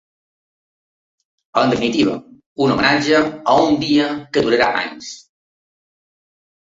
En definitiva, un homenatge a un dia que durarà anys.